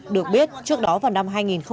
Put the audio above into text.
được biết trước đó vào năm hai nghìn một mươi